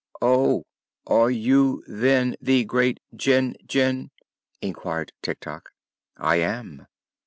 "Oh! Are you, then, the Great Jinjin?" inquired Tik Tok. "I am."